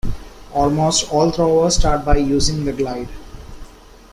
Almost all throwers start by using the glide.